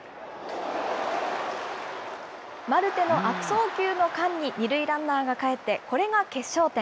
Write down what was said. マルテの悪送球の間に２塁ランナーがかえって、これが決勝点。